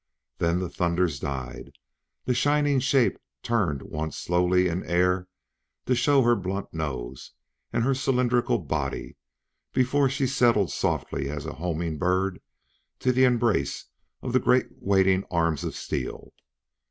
Then the thunders died; the shining shape turned once slowly in air to show her blunt nose and cylindrical body before she settled softly as a homing bird to the embrace of great waiting arms of steel.